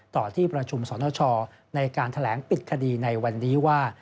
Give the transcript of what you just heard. ต่อที่ประชุมสรณชอในการแถลงปิดคดีในวันนี้ว่า